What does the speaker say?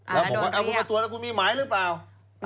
แล้วบอกว่าเอาคุณไปตรวจแล้วคุณมีหมายหรือเปล่า